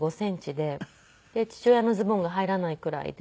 で父親のズボンが入らないくらいで。